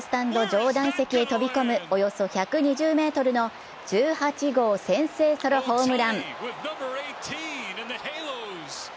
上段席へ飛び込むおよそ１２０ｍの１８号先制ソロホームラン。